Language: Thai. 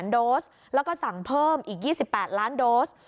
๑๙๕๐๐๐๐๐โดสแล้วก็สั่งเพิ่มอีก๒๘ล้านโดส